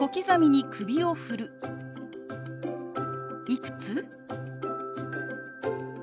「いくつ？」。